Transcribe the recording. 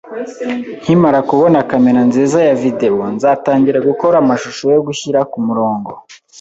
Nkimara kubona kamera nziza ya videwo, nzatangira gukora amashusho yo gushyira kumurongo